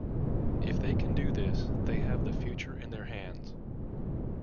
If they can do this, they have the future in their hands.